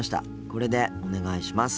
これでお願いします。